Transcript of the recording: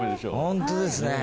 ホントですね。